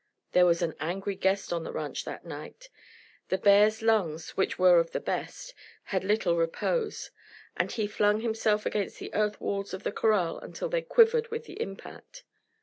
There was an angry guest on the ranch that night. The bear's lungs, which were of the best, had little repose, and he flung himself against the earth walls of the corral until they quivered with the impact.